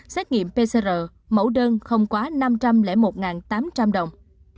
xét nghiệm pcr mẫu đơn không quá năm trăm linh một tám trăm linh đồng